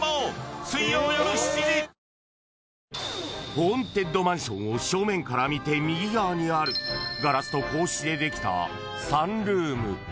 ［ホーンテッドマンションを正面から見て右側にあるガラスと格子でできた］